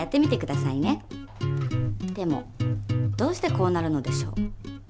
でもどうしてこうなるのでしょう？